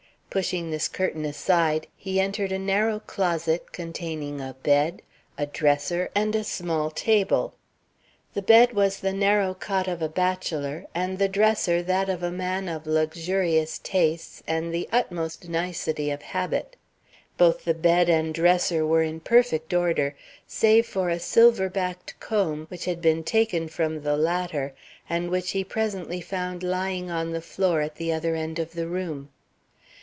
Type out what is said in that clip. Pushing this curtain aside, he entered a narrow closet containing a bed, a dresser, and a small table. The bed was the narrow cot of a bachelor, and the dresser that of a man of luxurious tastes and the utmost nicety of habit. Both the bed and dresser were in perfect order, save for a silver backed comb, which had been taken from the latter, and which he presently found lying on the floor at the other end of the room.